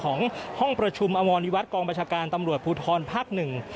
ของห้องประชุมอมรนิวัตรกองประชาการตำรวจภูทรภาคหนึ่ง